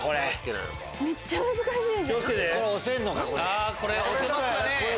さぁこれ押せますかね？